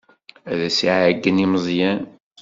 Ad as-ɛeyynen i Meẓyan.